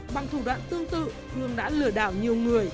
bằng thủ đoạn tương tự hương đã lừa đảo nhiều người